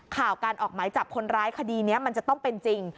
ข่าวการออกหมายจับคนร้ายคดีนี้มันจะต้องเป็นจริง